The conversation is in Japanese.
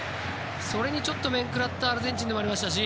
それにちょっと面食らったアルゼンチンではありましたし